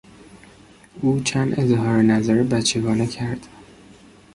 او چند اظهار نظر بچگانه کرد.